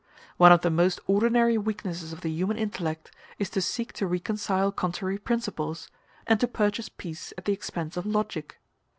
One of the most ordinary weaknesses of the human intellect is to seek to reconcile contrary principles, and to purchase peace at the expense of logic.